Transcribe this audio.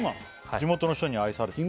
地元の人に愛されてる